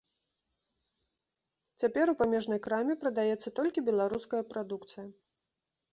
Цяпер у памежнай краме прадаецца толькі беларуская прадукцыя.